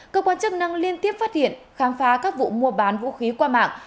cơ quan chức năng liên tiếp phát hiện khám phá các vụ mua bán vũ khí qua mạng